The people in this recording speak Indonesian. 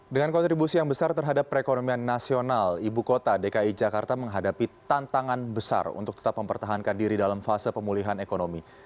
dengan kontribusi yang besar terhadap perekonomian nasional ibu kota dki jakarta menghadapi tantangan besar untuk tetap mempertahankan diri dalam fase pemulihan ekonomi